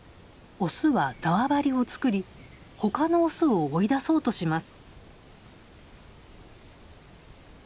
オスは縄張りをつくり他のオスを追い出そうとします。